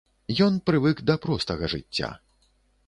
Ён прывык да простага жыцця.